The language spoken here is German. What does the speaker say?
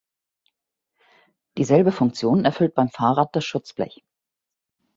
Dieselbe Funktion erfüllt beim Fahrrad das Schutzblech.